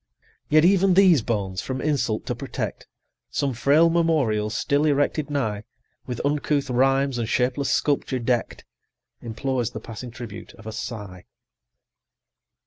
Yet even these bones from insult to protect, Some frail memorial still erected nigh, With uncouth rhymes and shapeless sculpture deck'd, Implores the passing tribute of a sigh.